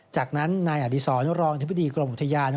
จากนั้นนายอดีศรรองอธิบดีกรมอุทยาน